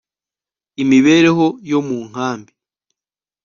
IMIBEREHO YO MU NK AMBI